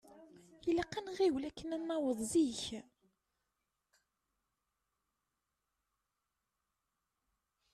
Ilaq ad nɣiwel akken ad naweḍ zik.